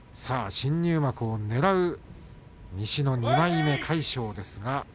新入幕を狙う西の２枚目の魁勝です。